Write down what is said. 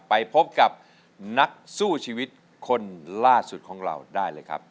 ไปพบกับนักสู้ชีวิตคนล่าสุดของเราได้เลยครับ